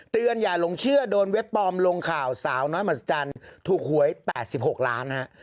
อย่าหลงเชื่อโดนเว็บปลอมลงข่าวสาวน้อยมหัศจรรย์ถูกหวย๘๖ล้านฮะ